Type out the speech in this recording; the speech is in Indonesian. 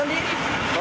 oh sendiri ya